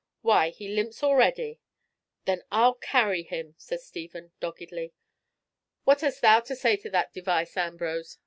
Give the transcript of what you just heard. Why, he limps already." "Then I'll carry him," said Stephen, doggedly. "What hast thou to say to that device, Ambrose?"